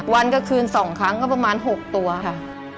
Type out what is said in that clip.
วันกลางคืน๒ครั้งก็ประมาณ๖ตัวค่ะ